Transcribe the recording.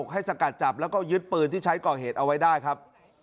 สกัดจับแล้วก็ยึดปืนที่ใช้ก่อเหตุเอาไว้ได้ครับ